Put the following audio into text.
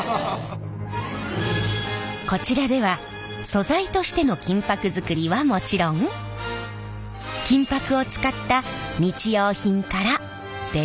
こちらでは素材としての金箔作りはもちろん金箔を使った日用品から伝統工芸品